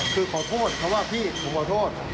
คือขอโทษเขาว่าพี่ผมขอโทษ